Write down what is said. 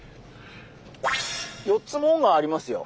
４つ紋がありますよ。